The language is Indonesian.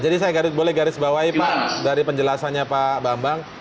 jadi saya boleh garis bawahi pak dari penjelasannya pak bambang